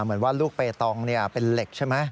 เหมือนว่าลูกเปตองเป็นเหล็กใช่ไหม